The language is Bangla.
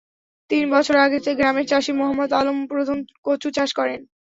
তিন বছর আগে গ্রামের চাষি মোহাম্মদ আলম প্রথম কচু চাষ শুরু করেন।